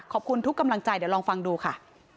ขอบคุณทุกกำลังใจเดี๋ยวลองฟังดูค่ะ